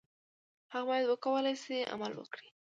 هغه باید وکولای شي عمل وکړي.